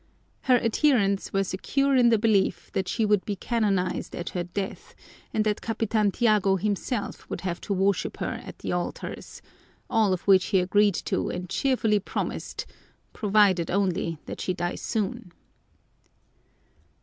Her adherents were secure in the belief that she would be canonized at her death and that Capitan Tiago himself would have to worship her at the altars all of which he agreed to and cheerfully promised, provided only that she die soon.